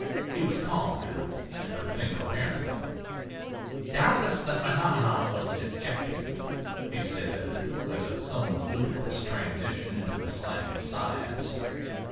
He was calm now, and could think coherently. "Doubtless the phenomenon was subjective," he said, with a somewhat ludicrous transition to the slang of science.